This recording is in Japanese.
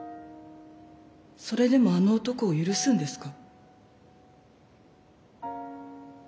それでもあの男を許すんですか？